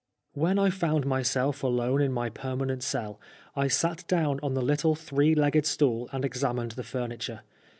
When I found myself alone in my permanent cell, I sat down on the little three legged stool and examined the furniture.